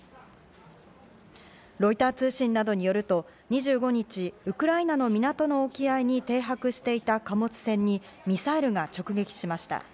ロイター通信などによると、２５日、ウクライナの港の沖合に停泊していた貨物船にミサイルが直撃しました。